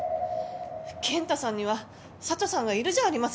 健太さんには佐都さんがいるじゃありませんか。